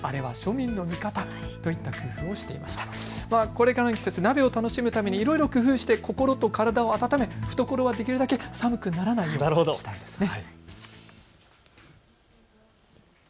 これからの季節、鍋を楽しむためにいろいろ工夫して心と体を温め懐はできるだけ寒くならないようにしたいですね。